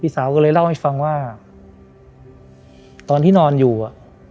สาวก็เลยเล่าให้ฟังว่าตอนที่นอนอยู่อ่ะ